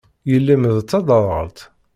Yelli-m d taderɣalt?